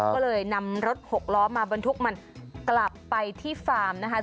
ก็เลยนำรถหกล้อมาบรรทุกมันกลับไปที่ฟาร์มนะคะ